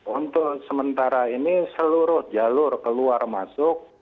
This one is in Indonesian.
untuk sementara ini seluruh jalur keluar masuk